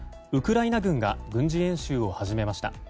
ウクライナ軍が軍事演習を始めました。